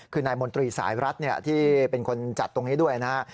คือนายมนตรีสายรัฐที่เป็นคนจัดตรงนี้ด้วยนะฮะ